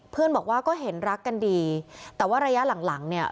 บอกว่าก็เห็นรักกันดีแต่ว่าระยะหลังหลังเนี่ย